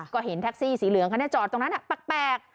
ก็เห็นแท็กซี่สีเหลืองคันนี้จอดตรงนั้นแปลก